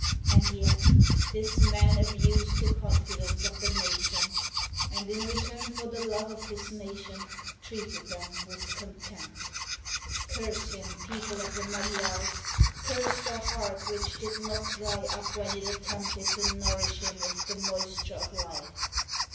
and yet this man abused the confidence of the nation, and in return for the love of his nation treated them with contempt. Curse him, people of the Magyars! curse the heart which did not dry up when it attempted to nourish him with the moisture of life